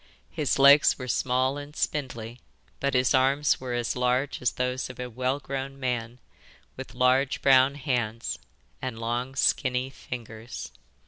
His legs were small and spindly, but his arms were as large as those of a well grown man, with large brown hands, and long skinny fingers.